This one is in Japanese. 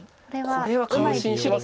これは感心します。